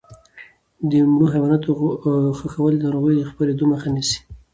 د مړو حیواناتو ښخول د ناروغیو د خپرېدو مخه نیسي.